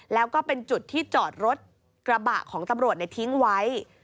แล้วก็เป็นจุดที่จอดรถกระบะของตำรวจทิ้งไว้